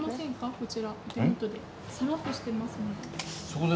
こちらお手元で。